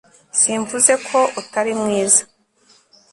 Simvuze ko utari mwiza